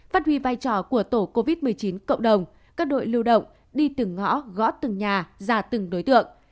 phát huy vai trò của tổ covid một mươi chín cộng đồng các đội lưu động đi từng ngõ gõ từng nhà ra từng đối tượng